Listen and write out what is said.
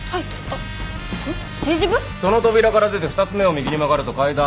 その扉から出て２つ目を右に曲がると階段。